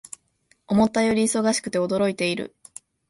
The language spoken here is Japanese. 思ったより忙しくて驚いている